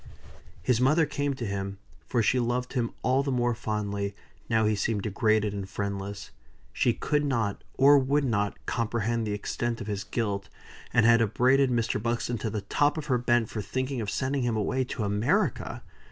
His mother came to him; for she loved him all the more fondly, now he seemed degraded and friendless. She could not, or would not, comprehend the extent of his guilt; and had upbraided Mr. Buxton to the top of her bent for thinking of sending him away to America.